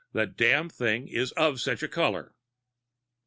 the Damned Thing is of such a color!"